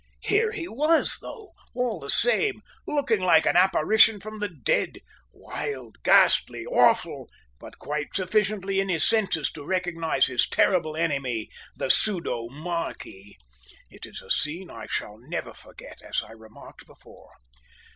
Here he was though, all the same, looking like an apparition from the dead, wild, ghastly, awful, but quite sufficiently in his senses to recognise his terrible enemy, the pseudo "marquis." It is a scene I shall never forget, as I remarked before.